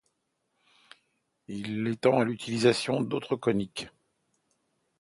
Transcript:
Il l'étend à l'utilisation d'autres coniques.